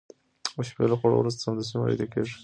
د شپې له خوړو وروسته سمدستي مه ويده کېږه